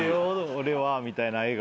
俺は」みたいな笑顔。